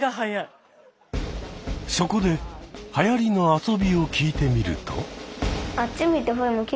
そこではやりの遊びを聞いてみると。